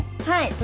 はい。